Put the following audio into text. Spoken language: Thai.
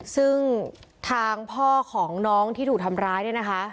ซึ่งทางพ่อของน้องที่ถูกทำร้ายเนี่ยนะคะ